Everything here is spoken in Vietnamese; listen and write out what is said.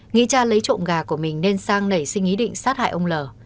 nghĩ cha lấy trộm gà của mình nên sang nảy sinh ý định sát hại ông lờ